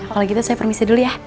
kalau gitu saya permisi dulu ya